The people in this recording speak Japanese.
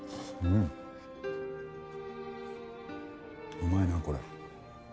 うまいなこれ。